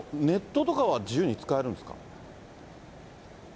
ネットとかは自由に使えるんですか？